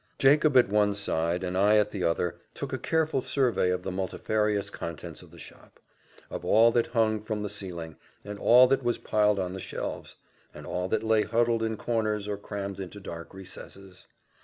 Jacob at one side, and I at the other, took a careful survey of the multifarious contents of the shop; of all that hung from the ceiling; and all that was piled on the shelves; and all that lay huddled in corners, or crammed into dark recesses.